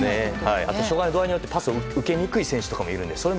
あと障害の度合いによってパスを受けにくい選手もいるので。